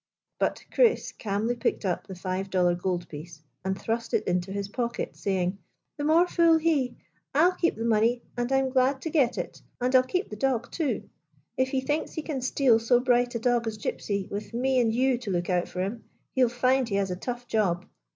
But Chris calmly picked up the five dollar goldpiece and thrust it into his pocket, saying :" The more fool he ! I 'll keep the money, and I 'm glad to get it. And I 'll keep the dog, 94 IN THE GYPSY CAMP too. If lie thinks lie can steal so bright a dog as Gypsy, with me and you to look out for him, lie 'll find he has a tough job."